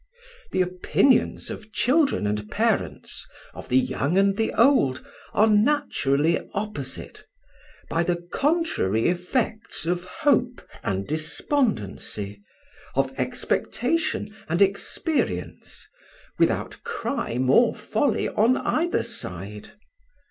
"The opinions of children and parents, of the young and the old, are naturally opposite, by the contrary effects of hope and despondency, of expectation and experience, without crime or folly on either side.